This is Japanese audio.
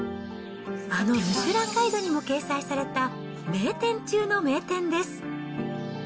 あのミシュランガイドにも掲載された、名店中の名店です。